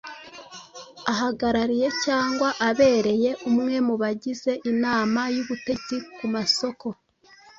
ahagarariye cyangwa abereye umwe mu bagize inama y’ubutegetsi ku masoko